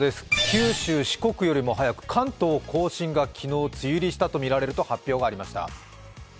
九州・四国よりも早く関東甲信が昨日梅雨入りしたとみられると発表がありました。